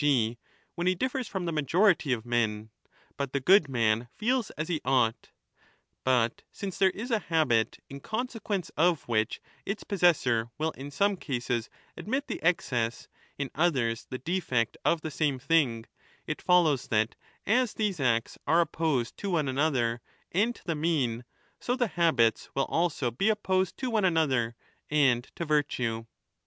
g. when he differs from the majority of men ; but the good man feels as he ought. But since there is a habit in consequence of which its possessor will in some cases admit the excess, in others the defect of the same thing, it follows that as these 20 acts are opposed to one another and to the mean, so the habits will also be opposed to one another and to virtue.